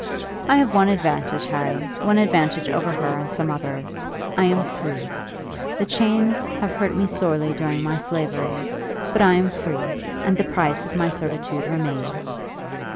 "I have one advantage, Harry, one advantage over her and some others. I am free. The chains have hurt me sorely during my slavery; but I am free, and the price of my servitude remains.